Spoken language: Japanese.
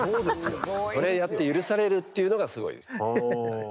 それやって許されるっていうのがすごいです。